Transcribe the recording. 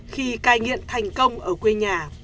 khi cai nghiện thành công ở quê nhà